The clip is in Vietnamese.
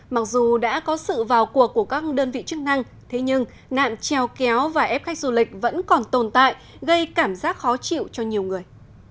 mặc dù đã có sự vào cuộc của các đơn vị chức năng thế nhưng nạn treo kéo và ép khách du lịch vẫn còn tồn tại gây cảm giác khó chịu cho nhiều người